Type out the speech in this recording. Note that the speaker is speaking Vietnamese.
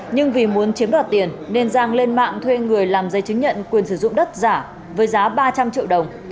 nhưng vì muốn chiếm đoạt tiền nên giang lên mạng thuê người làm giấy chứng nhận quyền sử dụng đất giả với giá ba trăm linh triệu đồng